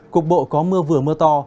cục bộ có mưa vừa mưa to